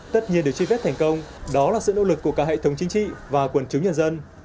tất nhiên được truy vết thành công đó là sự nỗ lực của cả hệ thống chính trị và quần chúng nhân dân